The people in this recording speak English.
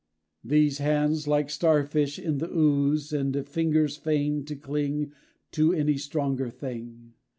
Those hands like star fish in the ooze, And fingers fain to cling To any stronger thing!